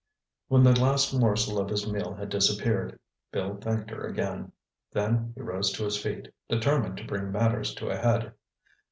When the last morsel of his meal had disappeared, Bill thanked her again. Then he rose to his feet, determined to bring matters to a head.